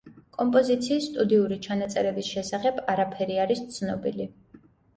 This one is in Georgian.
კომპოზიციის სტუდიური ჩანაწერების შესახებ არაფერი არის ცნობილი.